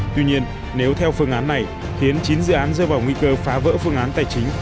tuy nhiên nếu theo phương án này khiến chín dự án rơi vào nguy cơ phá vỡ phương án tài chính